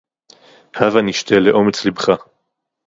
הבה נשתה לאומץ לבך!